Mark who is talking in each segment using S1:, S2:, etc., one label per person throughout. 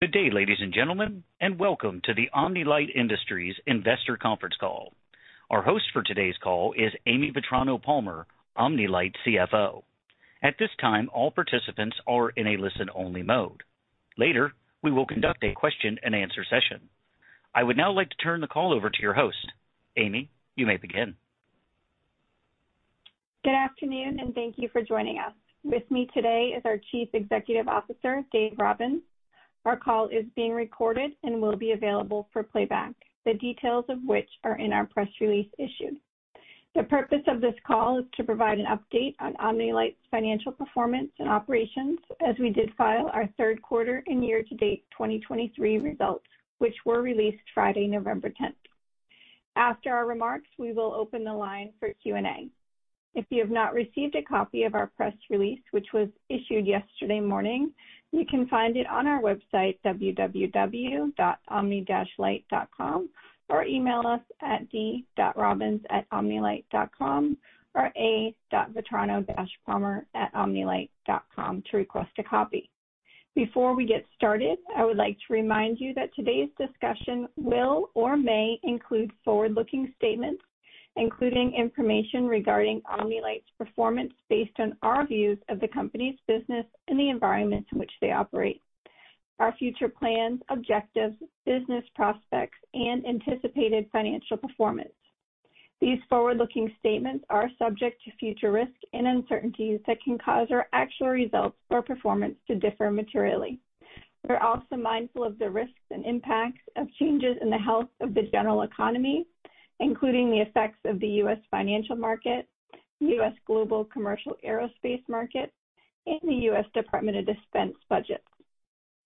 S1: Good day, ladies and gentlemen, and welcome to the Omni-Lite Industries investor conference call. Our host for today's call is Amy Vetrano-Palmer, Omni-Lite CFO. At this time, all participants are in a listen-only mode. Later, we will conduct a question-and-answer session. I would now like to turn the call over to your host. Amy, you may begin.
S2: Good afternoon, and thank you for joining us. With me today is our Chief Executive Officer, Dave Robbins. Our call is being recorded and will be available for playback, the details of which are in our press release issued. The purpose of this call is to provide an update on Omni-Lite's financial performance and operations, as we did file our third quarter and year-to-date 2023 results, which were released Friday, November 10th. After our remarks, we will open the line for Q&A. If you have not received a copy of our press release, which was issued yesterday morning, you can find it on our website, www.omni-lite.com, or email us at d.robbins@omni-lite.com or a.vetrano-palmer@omni-lite.com to request a copy. Before we get started, I would like to remind you that today's discussion will or may include forward-looking statements, including information regarding Omni-Lite's performance based on our views of the company's business and the environment in which they operate, our future plans, objectives, business prospects, and anticipated financial performance. These forward-looking statements are subject to future risks and uncertainties that can cause our actual results or performance to differ materially. We're also mindful of the risks and impacts of changes in the health of the general economy, including the effects of the U.S. financial market, the U.S. global commercial aerospace market, and the U.S. Department of Defense budget.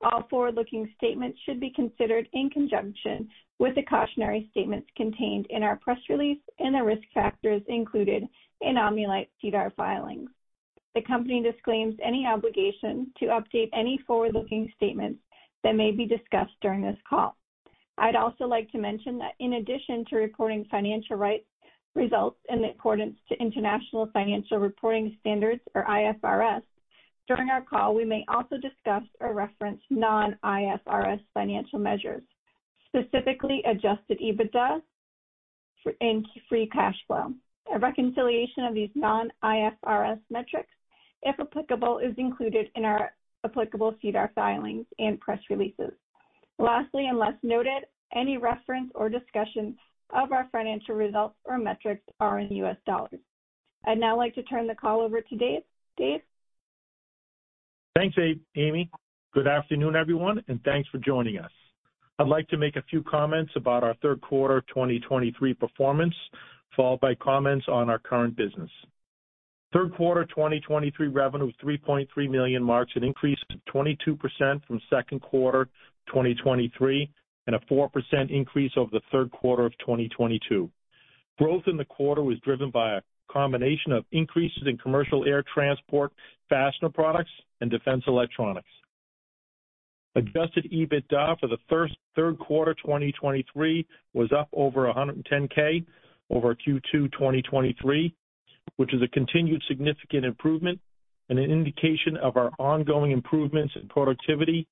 S2: All forward-looking statements should be considered in conjunction with the cautionary statements contained in our press release and the risk factors included in Omni-Lite's SEDAR filings. The company disclaims any obligation to update any forward-looking statements that may be discussed during this call. I'd also like to mention that in addition to reporting financial results in accordance to International Financial Reporting Standards, or IFRS, during our call, we may also discuss or reference non-IFRS financial measures, specifically adjusted EBITDA and free cash flow. A reconciliation of these non-IFRS metrics, if applicable, is included in our applicable SEDAR filings and press releases. Lastly, unless noted, any reference or discussions of our financial results or metrics are in U.S. dollars. I'd now like to turn the call over to Dave. Dave?
S3: Thanks, Amy. Good afternoon, everyone, and thanks for joining us. I'd like to make a few comments about our third quarter 2023 performance, followed by comments on our current business. Third quarter 2023 revenue, $3.3 million, marks an increase of 22% from second quarter 2023, and a 4% increase over the third quarter of 2022. Growth in the quarter was driven by a combination of increases in commercial air transport, fastener products, and defense electronics. Adjusted EBITDA for the first third quarter 2023 was up over $110K over Q2 2023, which is a continued significant improvement and an indication of our ongoing improvements in productivity,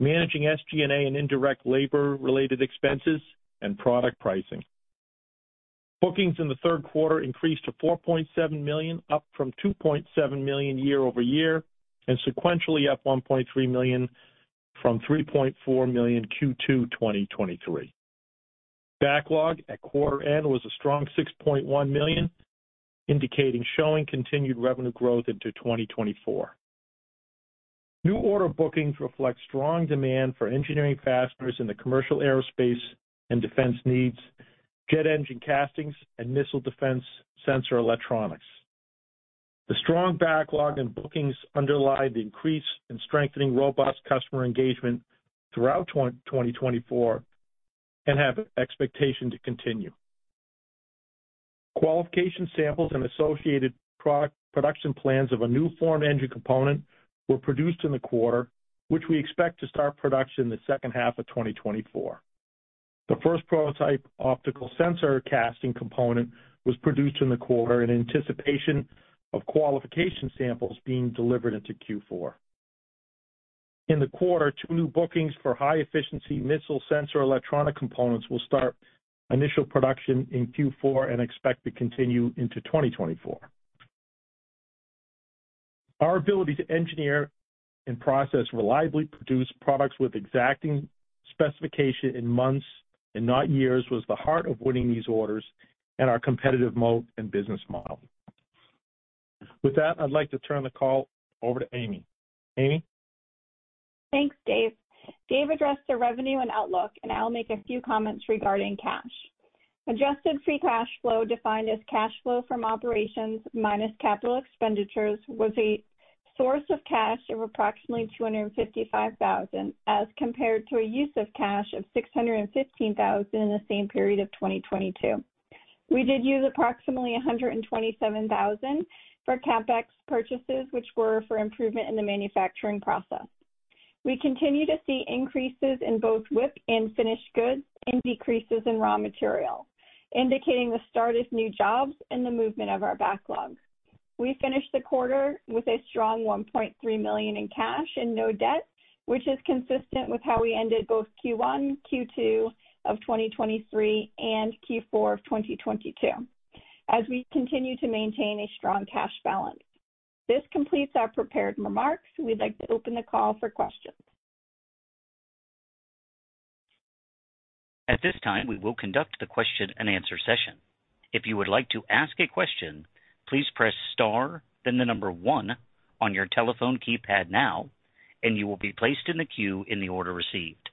S3: managing SG&A and indirect labor-related expenses and product pricing. Bookings in the third quarter increased to $4.7 million, up from $2.7 million year-over-year, and sequentially up $1.3 million from $3.4 million Q2 2023. Backlog at quarter end was a strong $6.1 million, indicating continued revenue growth into 2024. New order bookings reflect strong demand for engineering fasteners in the commercial aerospace and defense needs, jet engine castings, and missile defense sensor electronics. The strong backlog and bookings underlie the increase in strengthening robust customer engagement throughout 2024 and have expectation to continue. Qualification samples and associated product production plans of a new form engine component were produced in the quarter, which we expect to start production in the second half of 2024. The first prototype optical sensor casting component was produced in the quarter in anticipation of qualification samples being delivered into Q4. In the quarter, two new bookings for high-efficiency missile sensor electronic components will start initial production in Q4 and expect to continue into 2024. Our ability to engineer and process, reliably produce products with exacting specification in months and not years, was the heart of winning these orders and our competitive moat and business model. With that, I'd like to turn the call over to Amy. Amy?
S2: Thanks, Dave. Dave addressed the revenue and outlook, and I'll make a few comments regarding cash. Adjusted free cash flow, defined as cash flow from operations minus capital expenditures, was a source of cash of approximately $255,000, as compared to a use of cash of $615,000 in the same period of 2022. We did use approximately $127,000 for CapEx purchases, which were for improvement in the manufacturing process. We continue to see increases in both WIP and finished goods and decreases in raw material, indicating the start of new jobs and the movement of our backlog. We finished the quarter with a strong $1.3 million in cash and no debt, which is consistent with how we ended both Q1, Q2 of 2023, and Q4 of 2022, as we continue to maintain a strong cash balance. This completes our prepared remarks. We'd like to open the call for questions.
S1: At this time, we will conduct the question and answer session. If you would like to ask a question, please press star, then the number one on your telephone keypad now, and you will be placed in the queue in the order received.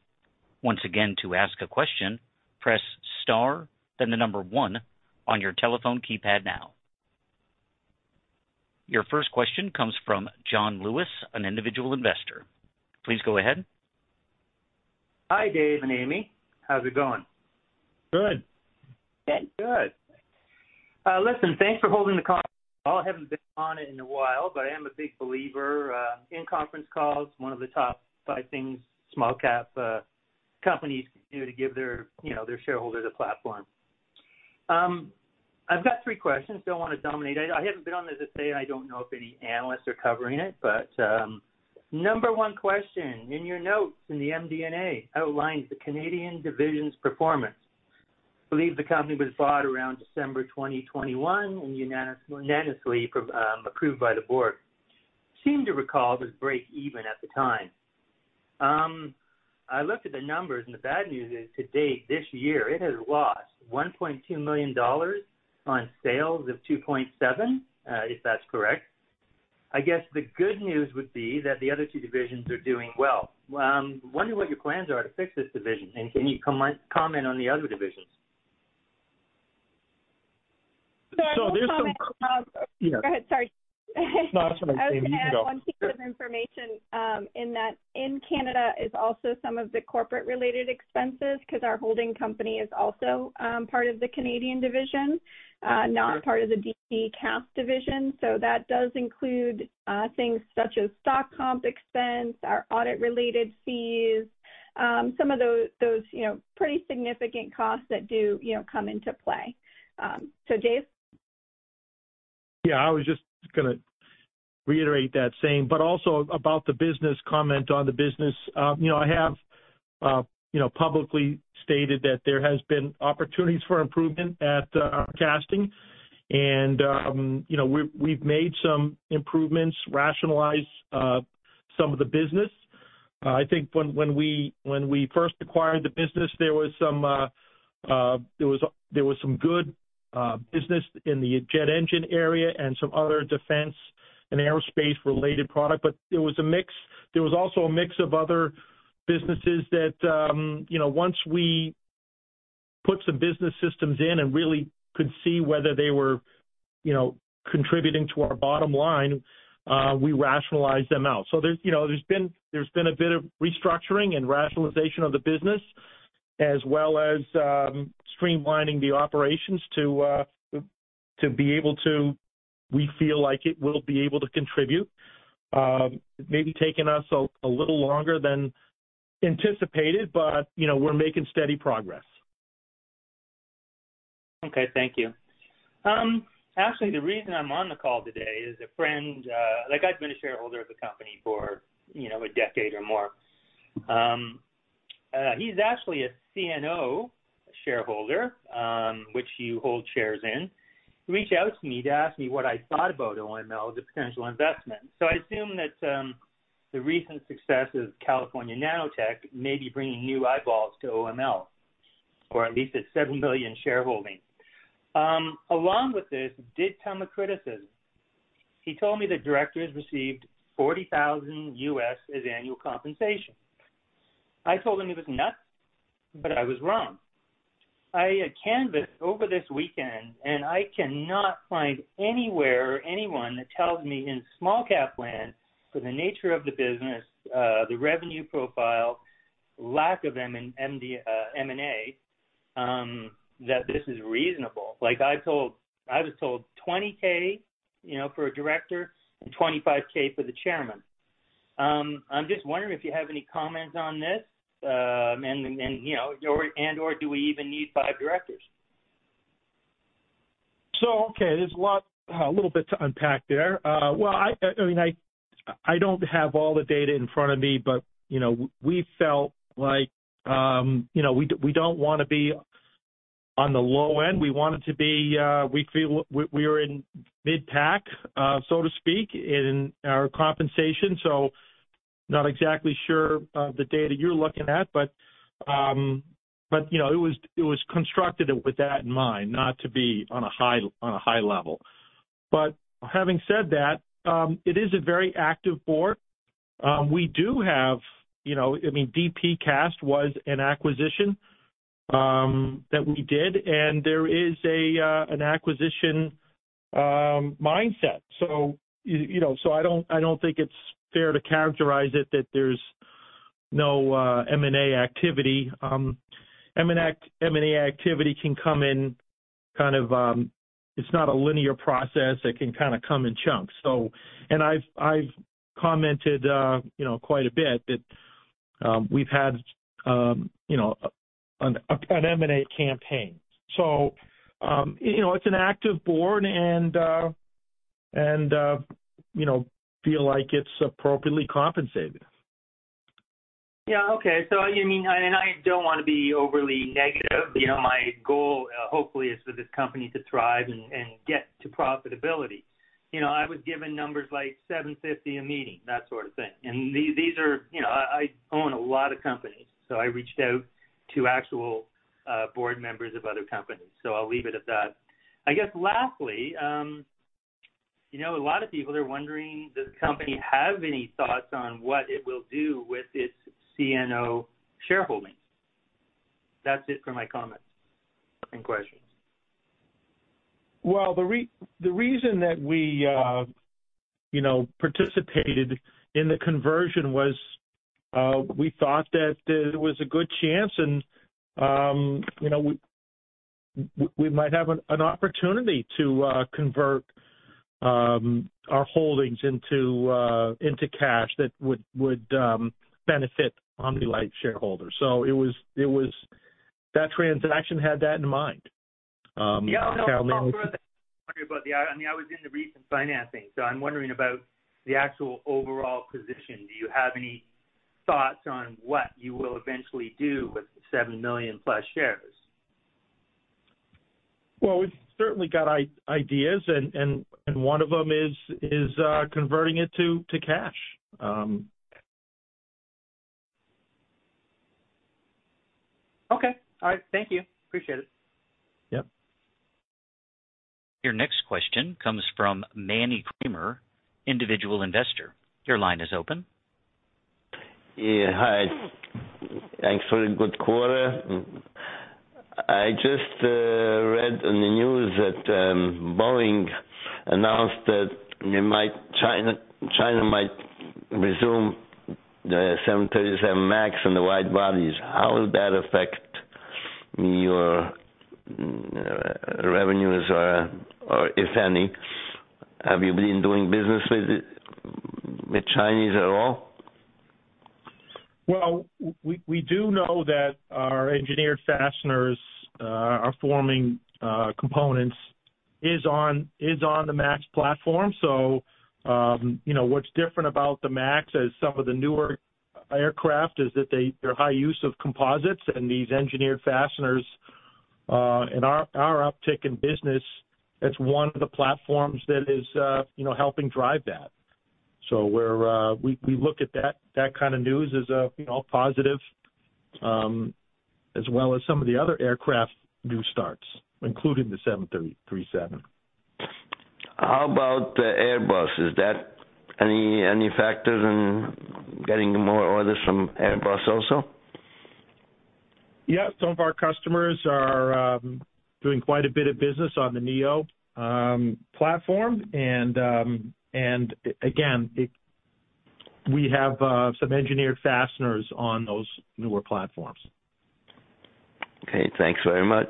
S1: Once again, to ask a question, press star, then the number one on your telephone keypad now. Your first question comes from John Lewis, an individual investor. Please go ahead.
S4: Hi, Dave and Amy. How's it going?
S3: Good.
S4: Good. Listen, thanks for holding the call. I haven't been on it in a while, but I am a big believer in conference calls, one of the top five things small-cap companies can do to give their, you know, their shareholders a platform. I've got three questions. Don't want to dominate. I haven't been on this to say, I don't know if any analysts are covering it, but number one question: in your notes in the MD&A outlines the Canadian division's performance. I believe the company was bought around December 2021, and unanimously approved by the Board. Seemed to recall it was break-even at the time. I looked at the numbers, and the bad news is, to date, this year, it has lost $1.2 million on sales of $2.7 million, if that's correct. I guess the good news would be that the other two divisions are doing well. Wondering what your plans are to fix this division, and can you comment on the other divisions?
S3: So there's some-
S2: Go ahead. Sorry.
S3: No, that's okay, Amy. You go.
S2: I would add one piece of information, in that in Canada is also some of the corporate-related expenses, because our holding company is also, part of the Canadian division, not part of the DP Cast division. So that does include, things such as stock comp expense, our audit-related fees, some of those, you know, pretty significant costs that do, you know, come into play. So Dave?
S3: Yeah, I was just gonna reiterate that same, but also about the business, comment on the business. You know, I have, you know, publicly stated that there has been opportunities for improvement at Casting. And, you know, we've made some improvements, rationalized some of the business. I think when we first acquired the business, there was some good business in the jet engine area and some other defense and aerospace-related product, but there was a mix. There was also a mix of other businesses that, you know, once we put some business systems in and really could see whether they were, you know, contributing to our bottom line, we rationalized them out. So there's, you know, there's been a bit of restructuring and rationalization of the business, as well as streamlining the operations to to be able to... we feel like it will be able to contribute. Maybe taking us a little longer than anticipated, but, you know, we're making steady progress.
S4: Okay. Thank you. Actually, the reason I'm on the call today is a friend—like, I've been a shareholder of the company for, you know, a decade or more. He's actually a CNO shareholder, which you hold shares in. He reached out to me to ask me what I thought about OML as a potential investment. So I assume that the recent success of California Nanotechnologies may be bringing new eyeballs to OML, or at least its seven million shareholding. Along with this did come a criticism. He told me the directors received $40,000 as annual compensation. I told him he was nuts, but I was wrong. I canvassed over this weekend, and I cannot find anywhere or anyone that tells me in small cap land, for the nature of the business, the revenue profile, lack of M-M- M&A, that this is reasonable. Like I told -- I was told $20,000, you know, for a Director and $25,000 for the Chairman. I'm just wondering if you have any comments on this, and, and, you know, or, and/or do we even need five Directors?
S3: So okay, there's a lot, a little bit to unpack there. Well, I mean, I don't have all the data in front of me, but, you know, we felt like, you know, we don't want to be on the low end. We wanted to be, we feel we are in mid pack, so to speak, in our compensation, so not exactly sure the data you're looking at, but, but, you know, it was constructed with that in mind, not to be on a high, on a high level. But having said that, it is a very active Board. We do have, you know, I mean, DP Cast was an acquisition that we did, and there is a, an acquisition mindset. So, you know, so I don't, I don't think it's fair to characterize it that there's no M&A activity. M&A, M&A activity can come in kind of it's not a linear process. It can kind of come in chunks. So and I've, I've commented you know, quite a bit that we've had you know, an M&A campaign. So, you know, it's an active Board and you know, feel like it's appropriately compensated.
S4: Yeah. Okay. So you mean, and I don't want to be overly negative. You know, my goal, hopefully, is for this company to thrive and get to profitability. You know, I was given numbers like $750 a meeting, that sort of thing. And these, these are... You know, I own a lot of companies, so I reached out to actual Board members of other companies. So I'll leave it at that. I guess, lastly, you know, a lot of people are wondering, does the company have any thoughts on what it will do with its CNO shareholding? That's it for my comments and questions.
S3: Well, the reason that we, you know, participated in the conversion was, we thought that there was a good chance and, you know, we might have an opportunity to convert our holdings into cash that would benefit Omni-Lite shareholders. So it was, it was that transaction had that in mind.
S4: Yeah, I know. I wonder about the... I mean, I was in the recent financing, so I'm wondering about the actual overall position. Do you have any thoughts on what you will eventually do with the 7 million plus shares?
S3: Well, we've certainly got ideas, and one of them is converting it to cash.
S4: Okay. All right. Thank you. Appreciate it.
S3: Yep.
S1: Your next question comes from Manny Creamer, individual investor. Your line is open.
S5: Yeah, hi. Thanks for the good quarter. I just read in the news that Boeing announced that they might China—China might resume the 737 MAX on the wide bodies. How will that affect your revenues or, if any? Have you been doing business with Chinese at all?
S3: Well, we do know that our engineered fasteners are forming components is on the 737 MAX platform. So, you know, what's different about the 737 MAX as some of the newer aircraft is that they're high use of composites and these engineered fasteners and our uptick in business, that's one of the platforms that is you know, helping drive that. So we look at that kind of news as you know, positive as well as some of the other aircraft new starts, including the 737.
S5: How about the Airbus? Is that any factors in getting more orders from Airbus also?
S3: Yeah, some of our customers are doing quite a bit of business on the Neo platform. And again, we have some engineered fasteners on those newer platforms.
S5: Okay. Thanks very much.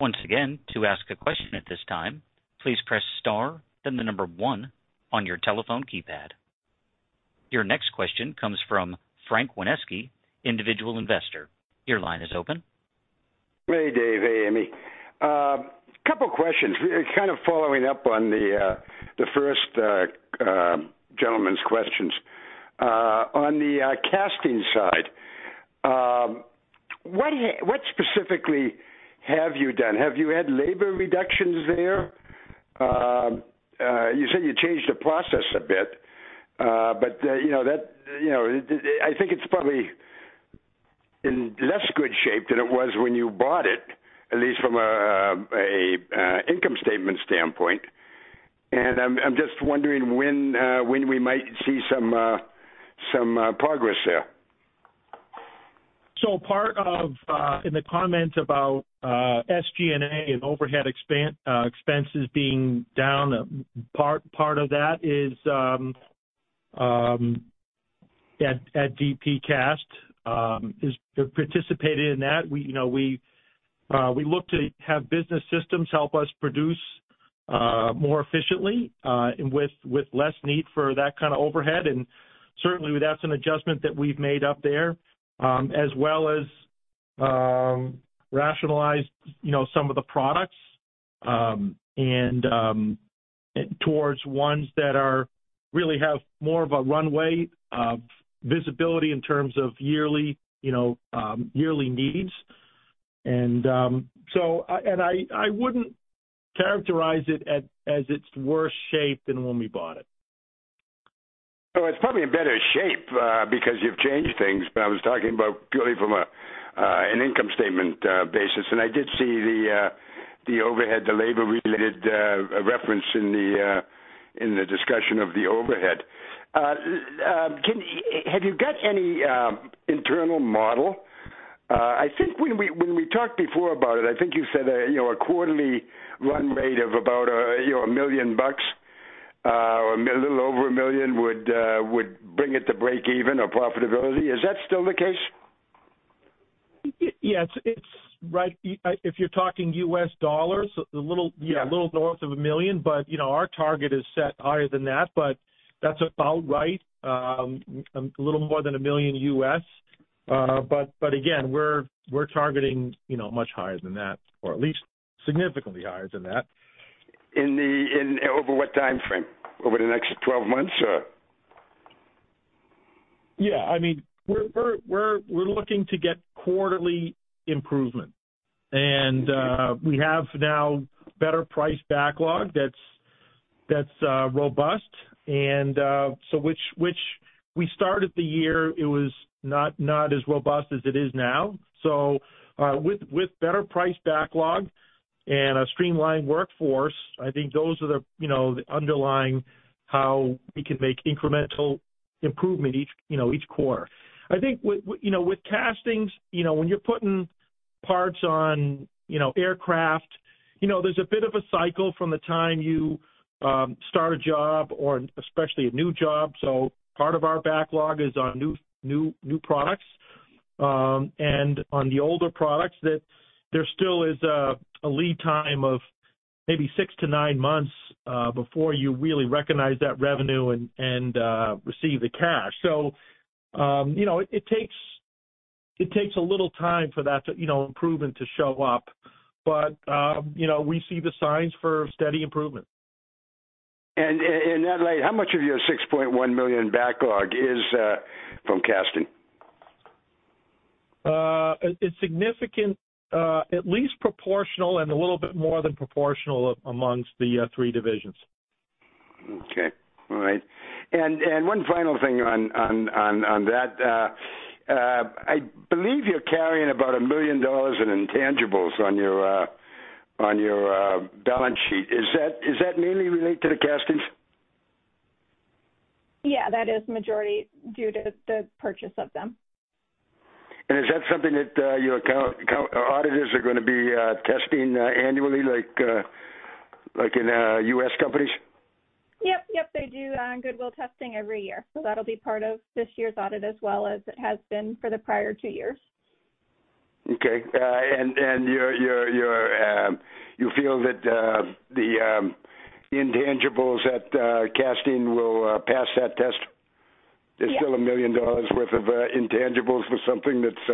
S1: Once again, to ask a question at this time, please press star, then the number one on your telephone keypad. Your next question comes from Frank Waneski, individual investor. Your line is open.
S6: Hey, Dave. Hey, Amy. Couple questions. Kind of following up on the first gentleman's questions. On the casting side, what specifically have you done? Have you had labor reductions there? You said you changed the process a bit, but you know that, you know, I think it's probably in less good shape than it was when you bought it, at least from a income statement standpoint. And I'm just wondering when we might see some progress there.
S3: So part of, in the comment about, SG&A and overhead expenses being down, part of that is, at DP Cast, is participated in that. We, you know, we look to have business systems help us produce more efficiently, and with less need for that kind of overhead. And certainly that's an adjustment that we've made up there, as well as rationalize, you know, some of the products, and towards ones that are—really have more of a runway of visibility in terms of yearly, you know, yearly needs. And so. And I wouldn't characterize it as it's worse shape than when we bought it.
S6: So it's probably in better shape, because you've changed things. But I was talking about purely from a, an income statement basis. And I did see the, the overhead, the labor-related reference in the, in the discussion of the overhead. have you got any, internal model? I think when we, when we talked before about it, I think you said, you know, a quarterly run rate of about, you know, $1 million, or a little over $1 million would, would bring it to break even or profitability. Is that still the case?...
S3: Yeah, it's, it's right. If you're talking U.S. dollars, a little-
S6: Yeah.
S3: A little north of $1 million, but, you know, our target is set higher than that. But that's about right. A little more than $1 million. But again, we're targeting, you know, much higher than that, or at least significantly higher than that.
S6: Over what time frame? Over the next 12 months, or?
S3: Yeah, I mean, we're looking to get quarterly improvement. We have now better priced backlog that's robust. And so when we started the year, it was not as robust as it is now. So, with better priced backlog and a streamlined workforce, I think those are the, you know, the underlying, how we can make incremental improvement each, you know, each quarter. I think you know, with castings, you know, when you're putting parts on, you know, aircraft, you know, there's a bit of a cycle from the time you start a job or especially a new job. So part of our backlog is on new products. And on the older products, that there still is a lead time of maybe six to nine months before you really recognize that revenue and receive the cash. So, you know, it takes, it takes a little time for that to, you know, improvement to show up. But, you know, we see the signs for steady improvement.
S6: And then like, how much of your $6.1 million backlog is from casting?
S3: It's significant, at least proportional and a little bit more than proportional amongst the three divisions.
S6: Okay. All right. And one final thing on that. I believe you're carrying about $1 million in intangibles on your balance sheet. Is that mainly related to the castings?
S2: Yeah, that is majority due to the purchase of them.
S6: Is that something that your accountants, auditors are gonna be testing annually, like in U.S. companies?
S2: Yep, yep, they do goodwill testing every year. So that'll be part of this year's audit, as well as it has been for the prior two years.
S6: Okay, and do you feel that the intangibles at casting will pass that test?
S2: Yes.
S6: There's still $1 million worth of intangibles for something that's,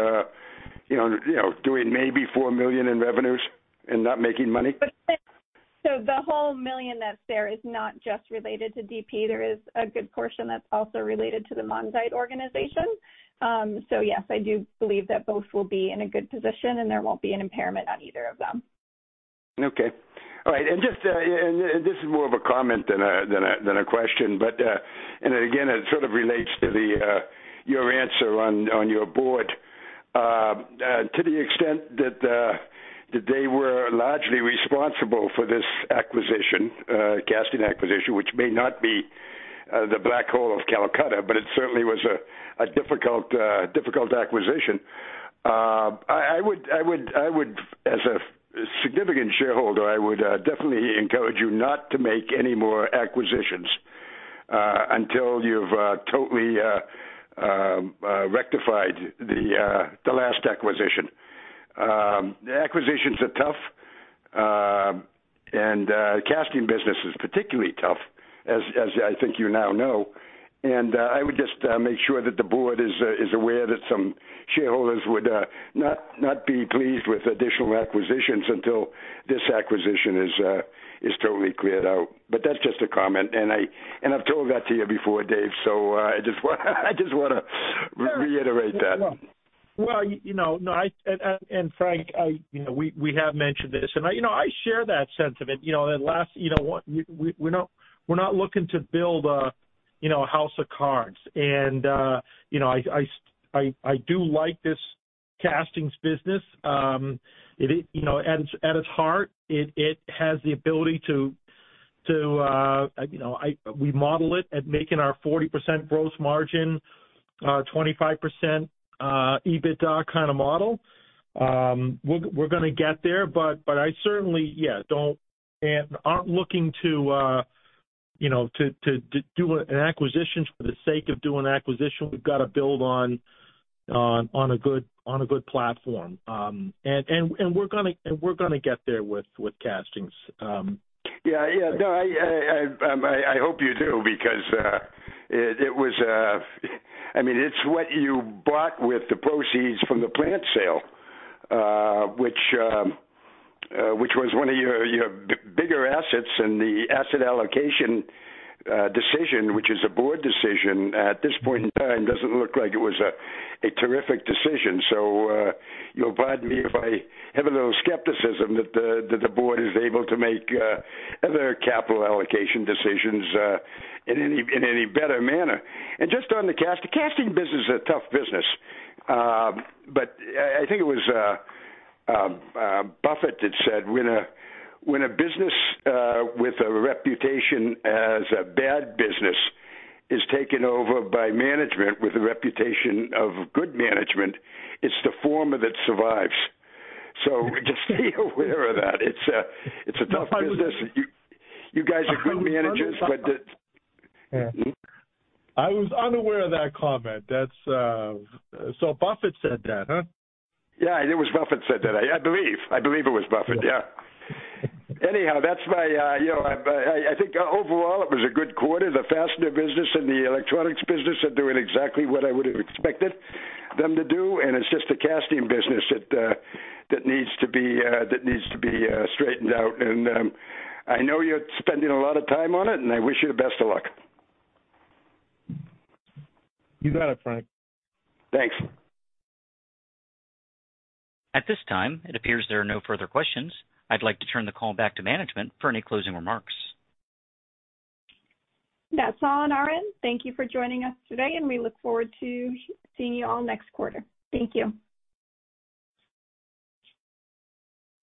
S6: you know, doing maybe $4 million in revenues and not making money?
S2: So the whole $1 million that's there is not just related to DP. There is a good portion that's also related to the Monzite organization. So yes, I do believe that both will be in a good position, and there won't be an impairment on either of them.
S6: Okay. All right. This is more of a comment than a question, but again, it sort of relates to your answer on your Board. To the extent that they were largely responsible for this casting acquisition, which may not be the Black Hole of Calcutta, but it certainly was a difficult acquisition. As a significant shareholder, I would definitely encourage you not to make any more acquisitions until you've totally rectified the last acquisition. The acquisitions are tough, and the casting business is particularly tough as I think you now know. I would just make sure that the Board is aware that some shareholders would not be pleased with additional acquisitions until this acquisition is totally cleared out. But that's just a comment, and I've told that to you before, Dave, so I just wanna reiterate that.
S3: Well, you know, no, Frank, I, you know, we, we have mentioned this, and, you know, I share that sentiment. You know, at last, you know what? We, we're not, we're not looking to build a, you know, a house of cards. And, you know, I do like this castings business. It, you know, at its heart, it has the ability to, you know, we model it at making our 40% gross margin, 25% EBITDA kind of model. We're gonna get there, but I certainly, yeah, don't and aren't looking to, you know, to do an acquisition for the sake of doing acquisition. We've got to build on a good platform. And we're gonna get there with castings.
S6: Yeah, yeah. No, I, I, I hope you do, because it was, I mean, it's what you bought with the proceeds from the plant sale, which, which was one of your, your bigger assets. And the asset allocation decision, which is a Board decision at this point in time, doesn't look like it was a terrific decision. So, you'll pardon me if I have a little skepticism that the Board is able to make other capital allocation decisions in any better manner. And just on the casting business is a tough business. But I think it was Buffett that said, "When a business with a reputation as a bad business is taken over by management with a reputation of good management, it's the former that survives." So just be aware of that. It's a tough business. You guys are good managers, but it-
S3: Yeah.
S6: Mm-hmm.
S3: I was unaware of that comment. That's... So Buffett said that, huh?
S6: Yeah, it was Buffett said that. I believe, I believe it was Buffett, yeah. Anyhow, that's my, you know, I, I think overall, it was a good quarter. The fastener business and the electronics business are doing exactly what I would have expected them to do, and it's just the casting business that, that needs to be, that needs to be, straightened out. And, I know you're spending a lot of time on it, and I wish you the best of luck.
S3: You got it, Frank.
S6: Thanks.
S1: At this time, it appears there are no further questions. I'd like to turn the call back to management for any closing remarks.
S2: That's all on our end. Thank you for joining us today, and we look forward to seeing you all next quarter. Thank you.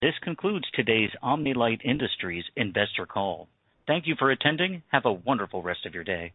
S1: This concludes today's Omni-Lite Industries investor call. Thank you for attending. Have a wonderful rest of your day.